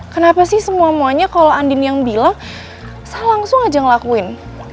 kenapa sih semua muanya kalau andin yang bilang sal langsung aja ngelakuin